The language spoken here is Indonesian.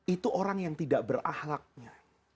itu orang yang tidak berahlaknya